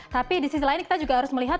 tapi di sisi lain kita juga harus melihat